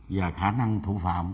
và khả năng thủ phạm